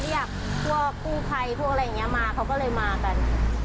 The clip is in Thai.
เรียกพวกกู้ภัยพวกอะไรอย่างนี้มาเขาก็เลยมากัน